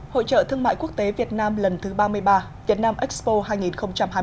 hội trợ thương mại quốc tế việt nam lần thứ ba mươi ba đã chính thức khai mạc sáng nay tại hà nội